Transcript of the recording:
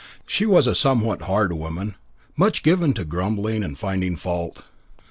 She was a somewhat hard woman, much given to grumbling and finding fault.